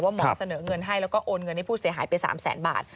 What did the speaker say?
หมอเสนอเงินให้แล้วก็โอนเงินให้ผู้เสียหายไป๓แสนบาท